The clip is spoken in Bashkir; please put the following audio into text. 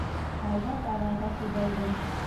Һалдат ағайға төбәлдем: